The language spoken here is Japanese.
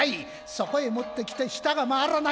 そこへもってきて舌が回らない。